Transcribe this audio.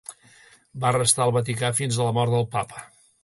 Va restar al Vaticà fins a la mort del Papa.